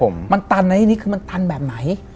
มันตันนะอันนี้คือมันตันแบบไหน